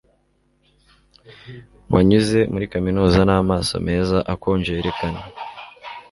wanyuze muri kaminuza n'amaso meza akonje yerekana